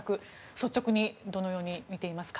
率直にどのように見ていますか？